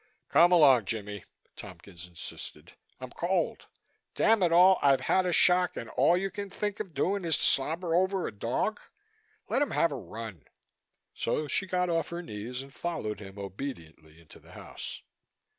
"Come along, Jimmie," Tompkins insisted. "I'm cold. Damn it all! I've had a shock and all you can think of doing is to slobber over a dog. Let him have a run." So she got off her knees and followed him obediently into the house.